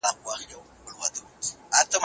هغه به د هغې خاورې په سر قدم واهه چې لاندې لوېدله.